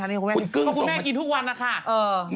เยอะเลยค่ะคุณแม่กินทุกวันน่ะครับค่ะ